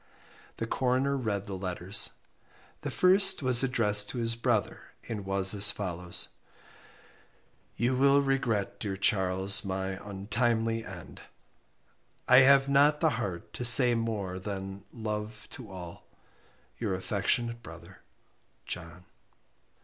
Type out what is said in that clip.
The Coroner read the letters. The first was addressed to his brother, and was as follows: "You will regret dear Charles my untimely end. I have not the heart to say more than love to all. Your affectionate brother JOHN."